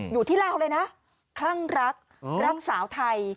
อยู่ที่ลาวเลยนะคลั่งรักรักสาวไทย